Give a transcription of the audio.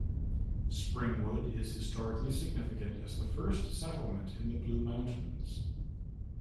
Springwood is historically significant as the first settlement in the Blue Mountains.